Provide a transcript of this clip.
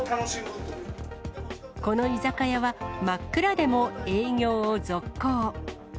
この居酒屋は、真っ暗でも営業を続行。